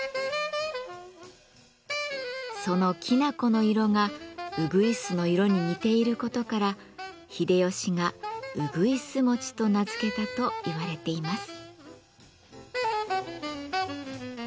そのきな粉の色がうぐいすの色に似ていることから秀吉が「うぐいす餅」と名付けたと言われています。